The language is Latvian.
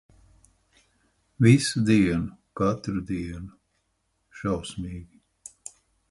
Visu dienu, katru dienu. Šausmīgi.